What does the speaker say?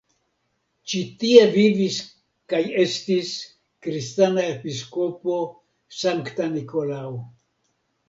Ĉi-tie vivis kaj estis kristana episkopo Sankta Nikolao.